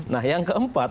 nah yang keempat